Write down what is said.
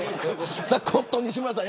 コットン西村さん